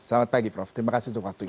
selamat pagi prof terima kasih untuk waktunya